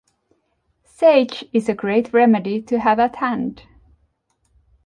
Sage is a great remedy to have at hand.